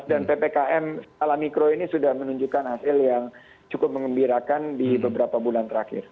dan ppkm setelah mikro ini sudah menunjukkan hasil yang cukup mengembirakan di beberapa bulan terakhir